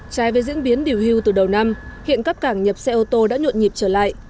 trái với diễn biến điều hưu từ đầu năm hiện các cảng nhập xe ô tô đã nhuộn nhịp trở lại